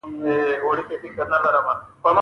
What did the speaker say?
څې کومه کې اوس ماته حضور راکړی